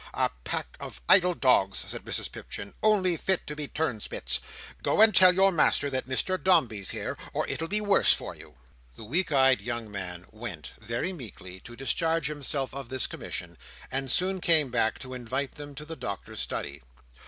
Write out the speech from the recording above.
"A pack of idle dogs!" said Mrs Pipchin, "only fit to be turnspits. Go and tell your master that Mr Dombey's here, or it'll be worse for you!" The weak eyed young man went, very meekly, to discharge himself of this commission; and soon came back to invite them to the Doctor's study.